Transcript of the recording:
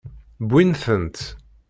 Wwin-tent.